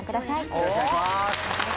よろしくお願いします。